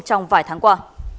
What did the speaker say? trong vài tháng qua